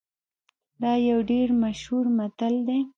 دا یو ډیر مشهور متل دی